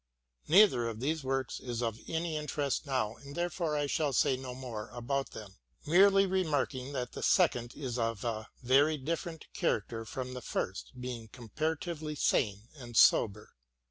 Neither of these works is of any interest now, and therefore I shall say no more about them, merely remarking that the second is of a very different character from the first, being comparatively sane and sober.